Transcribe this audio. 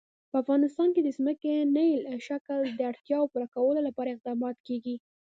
په افغانستان کې د ځمکنی شکل د اړتیاوو پوره کولو لپاره اقدامات کېږي.